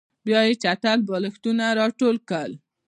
بیا یې چټل بالښتونه راټول کړل